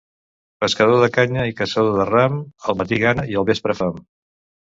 Pescador de canya i caçador de ram, al matí gana i al vespre fam.